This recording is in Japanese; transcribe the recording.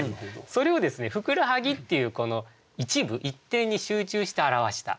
それをですね「ふくらはぎ」っていうこの一部一点に集中して表した。